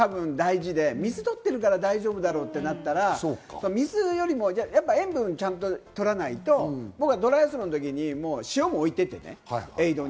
ここはすごく大事で水とってるから大丈夫だろうってなったら、水よりも塩分をちゃんととらないとトライアスロンの時に塩も置いてってね。